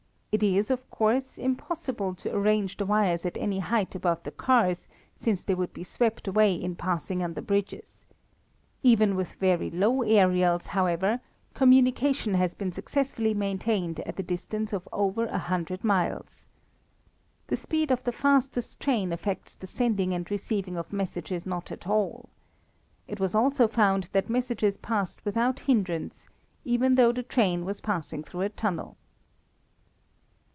It is, of course, impossible to arrange the wires at any height above the cars, since they would be swept away in passing under bridges. Even with very low aerials, however, communication has been successfully maintained at a distance of over a hundred miles. The speed of the fastest train affects the sending and receiving of messages not at all. It was also found that messages passed without hindrance, even though the train was passing through a tunnel.